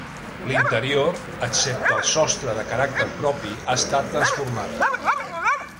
L'interior, excepte el sostre de caràcter propi, ha estat transformat.